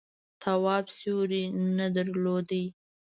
تواب سیوری نه درلود.